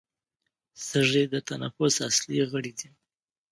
سږي د تنفس اصلي غړي دي